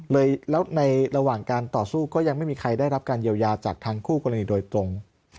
เลยแล้วในระหว่างการต่อสู้ก็ยังไม่มีใครได้รับการเยียวยาจากทางคู่กรณีโดยตรง